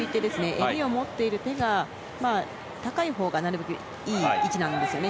襟を持っている手が高いほうがいい位置なんですよね。